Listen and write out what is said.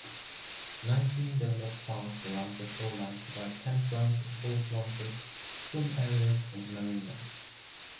Nineteen developed parks around the shoreline provide campgrounds, boat launches, swim areas, and marinas.